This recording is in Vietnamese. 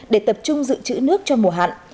để tập trung giữ chữ nước cho mùa hạn